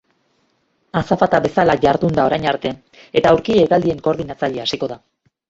Azafata bezala jardun da orain arte eta aurki hegaldien koordinatzaile hasiko da.